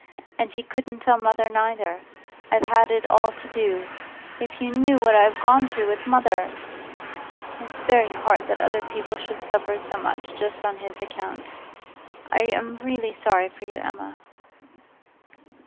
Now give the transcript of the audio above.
And he couldn't tell mother neither. I've had it all to do. If you knew what I've gone through with mother! It's very hard that other people should suffer so much just on his account. I am really sorry for you, Emma.